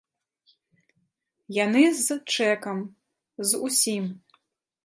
Яны з чэкам, з усім.